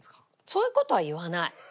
そういう事は言わない。